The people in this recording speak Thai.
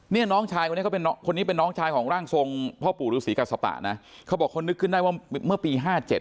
เนี่ยน้องชายคนนี้เป็นน้องชายของร่างทรงพ่อปู่รูสีกัสสะปะนะเขาบอกคนนึกขึ้นได้ว่าเมื่อปี๕๗